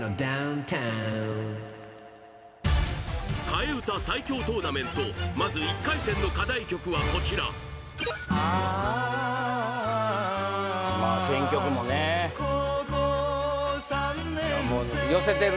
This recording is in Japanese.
替え歌最強トーナメントまず１回戦の課題曲はこちらああ高校三年生